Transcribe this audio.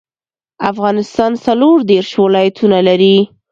افغانستان څلور ديرش ولايتونه لري.